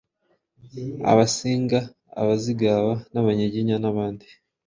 Abasinga, Abazigaba n’Abanyiginya nabandi